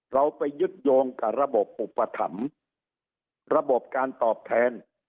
เราไปยึดโยงกับระบบอุปถัมภ์ระบบการตอบแทน